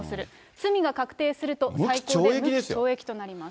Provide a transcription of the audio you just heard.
罪が確定すると最高で無期懲役となります。